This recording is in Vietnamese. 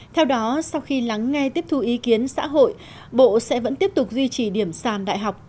theo đó sau khi lắng nghe tiếp thu ý kiến xã hội bộ sẽ vẫn tiếp tục duy trì điểm sàn đại học